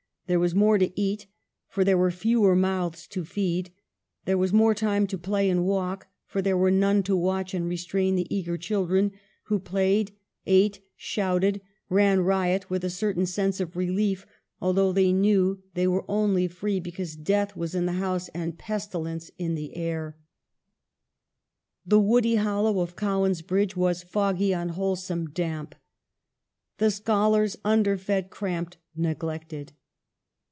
There was more to eat, for there were fewer mouths to feed ; there was more time to play and walk, for there were none to watch and restrain the eager children, who played, eat, shouted, ran riot, with a certain sense of relief, although they knew they were only free because death was in the house and pestilence in the air. The woody hollow of Cowan's Bridge was foggy, unwholesome, clamp. The scholars under fed, cramped, neglected.